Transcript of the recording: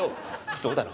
そうだろ？